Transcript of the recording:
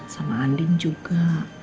sama anding juga